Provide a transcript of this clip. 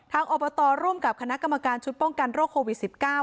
อบตร่วมกับคณะกรรมการชุดป้องกันโรคโควิด๑๙